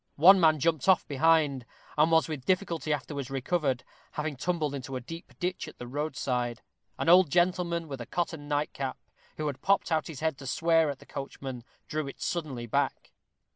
One man jumped off behind, and was with difficulty afterwards recovered, having tumbled into a deep ditch at the roadside. An old gentleman with a cotton nightcap, who had popped out his head to swear at the coachman, drew it suddenly back.